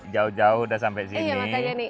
jauh jauh udah sampai sini